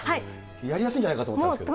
やりやすいんじゃないかと思ったんですけど。